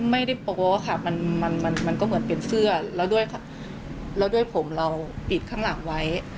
ไม่ได้โป๊ะค่ะมันก็เหมือนเป็นเสื้อแล้วด้วยผมเราปิดข้างหลังไว้